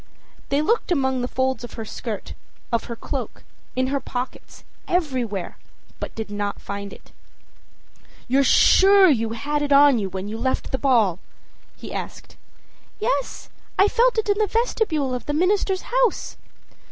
â They looked among the folds of her skirt, of her cloak, in her pockets, everywhere, but did not find it. âYou're sure you had it on when you left the ball?â he asked. âYes, I felt it in the vestibule of the minister's house.